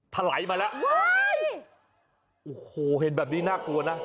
ถลายมาแล้วโอ้โหเห็นแบบนี้น่ากลัวนะ